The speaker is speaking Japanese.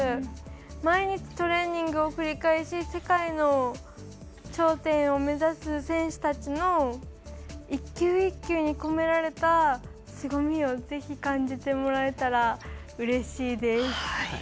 毎日トレーニングを繰り返し世界の頂点を目指す選手たちの１球１球に込められたすごみをぜひ感じてもらえたらうれしいです。